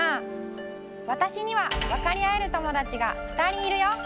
わたしにはわかりあえる友だちがふたりいるよ！